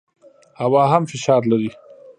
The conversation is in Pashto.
هوا هم فشار لري.